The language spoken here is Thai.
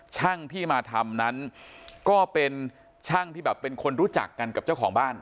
ช่างที่มาทำนั้นก็เป็นช่างที่แบบเป็นคนรู้จักกันกับเจ้าของบ้าน